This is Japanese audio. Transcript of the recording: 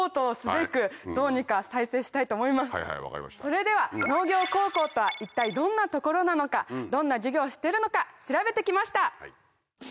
それでは農業高校とは一体どんな所なのかどんな授業をしてるのか調べてきました！